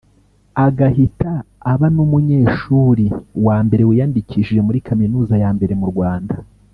agahita aba n’umunyeshuri wa mbere wiyandikishije muri Kaminuza ya mbere mu Rwanda